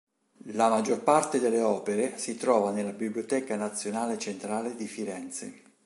La maggior parte delle opere si trova nella Biblioteca Nazionale Centrale di Firenze.